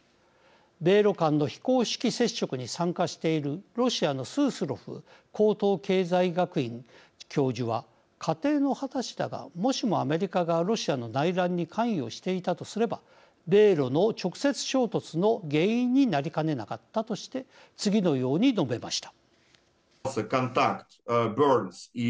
米ロ間の非公式接触に参加しているロシアのスースロフ高等経済学院教授は仮定の話だがもしもアメリカがロシアの内乱に関与していたとすれば米ロの直接衝突の原因になりかねなかったとして次のように述べました。